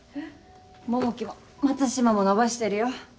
桃木も松島も伸ばしてるよ。